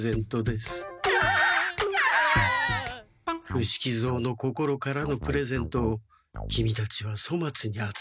伏木蔵の心からのプレゼントをキミたちはそまつにあつかってしまった。